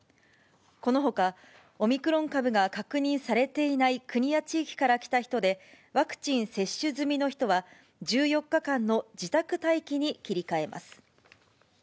このほか、オミクロン株が確認されていない国や地域から来た人で、ワクチン接種済みの人は１４日間の自宅待機に切り替えます。